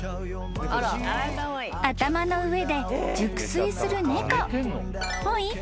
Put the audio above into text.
［頭の上で熟睡する猫］